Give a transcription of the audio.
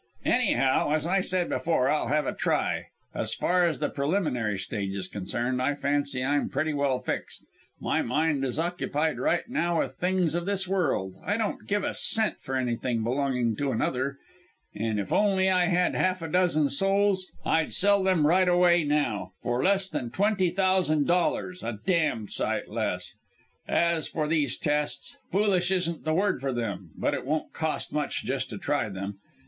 Anyhow as I said before, I'll have a try. As far as the preliminary stage is concerned, I fancy I'm pretty well fixed. My mind is occupied right enough with things of this world I don't give a cent for anything belonging to another and if only I had half a dozen souls, I'd sell them right away now, for less than twenty thousand dollars a damned sight less. As for these tests foolish isn't the word for them but it won't cost much just to try them....